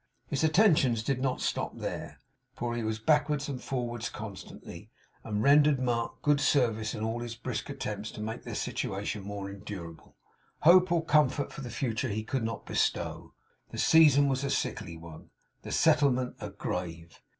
His attentions did not stop there; for he was backwards and forwards constantly, and rendered Mark good service in all his brisk attempts to make their situation more endurable. Hope or comfort for the future he could not bestow. The season was a sickly one; the settlement a grave.